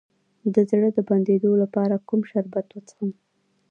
د زړه د بندیدو لپاره کوم شربت وڅښم؟